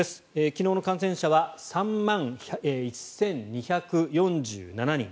昨日の感染者は３万１２４７人。